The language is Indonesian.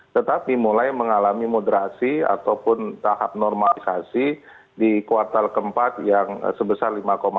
tetapi mulai mengalami moderasi ataupun tahap normalisasi di kuartal keempat yang sebesar lima satu